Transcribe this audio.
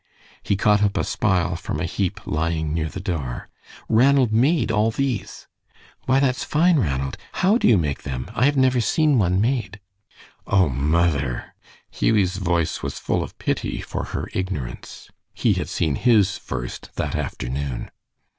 He caught up a spile from a heap lying near the door. "Ranald made all these." "Why, that's fine, Ranald. How do you make them? I have never seen one made." "Oh, mother!" Hughie's voice was full of pity for her ignorance. He had seen his first that afternoon.